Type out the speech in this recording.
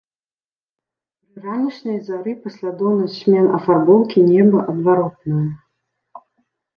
Пры ранішняй зары паслядоўнасць змен афарбоўкі неба адваротная.